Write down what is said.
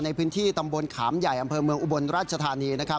ในพื้นที่ตำบลขามใหญ่อำเภอเมืองอุบลราชธานีนะครับ